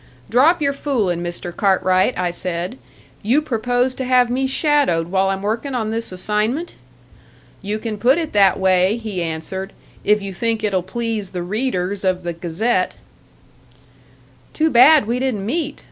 'Drop your fooling, Mr. Cartwright,' I said. 'You propose to have me shadowed while I'm working on this assignment?' 'You can put it that way,' he answered, 'if you think it'll please the readers of the Gazette.'" "Too bad we didn't meet!"